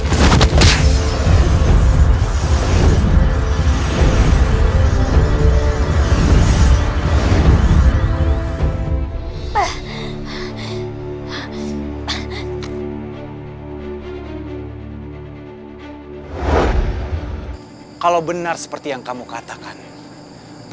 jangan lupa like subscribe dan subscribe